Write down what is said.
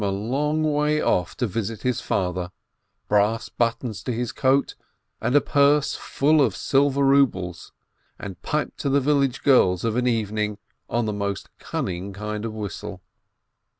35 COUSTMT 544 BERKOWITZ his father, brass buttons to his coat and a purse full of silver rubles, and piped to the village girls of an evening on the most cunning kind of whistle.